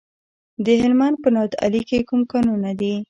د هلمند په نادعلي کې کوم کانونه دي؟